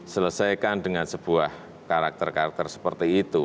selesaikan dengan sebuah karakter karakter seperti itu